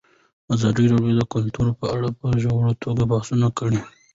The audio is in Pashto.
ازادي راډیو د کلتور په اړه په ژوره توګه بحثونه کړي.